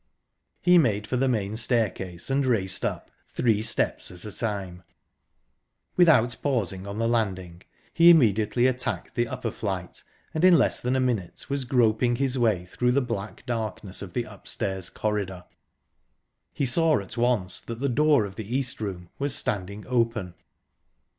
He made for the main staircase and raced up, three steps at a time. Without pausing on the landing, he immediately attacked the upper flight, and in less than a minute was groping his way through the black darkness of the upstairs corridor. He saw at once that the door of the East Room was standing open.